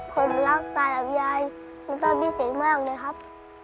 ผมรักตาดับยายตาบิศรีมากเลยครับ